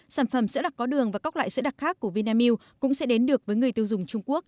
sản phẩm sữa đặc có đường và các loại sữa đặc khác của vinamilk cũng sẽ đến được với người tiêu dùng trung quốc